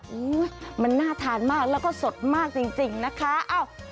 โอ้โหมันน่าทานมากแล้วก็สดมากจริงนะคะ